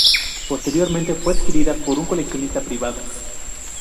Posteriormente fue adquirida por un coleccionista privado.